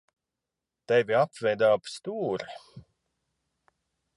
Tevi apveda ap stūri.